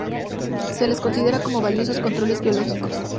Se las considera como valiosos controles biológicos.